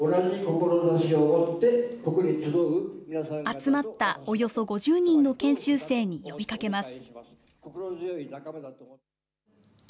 集まったおよそ５０人の研修生に呼びかけます。